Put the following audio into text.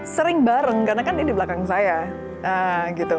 sering bareng karena kan dia di belakang saya